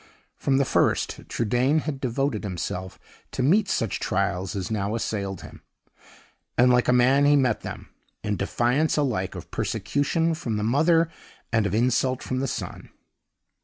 From the first, Trudaine had devoted himself to meet such trials as now assailed him; and like a man he met them, in defiance alike of persecution from the mother and of insult from the son.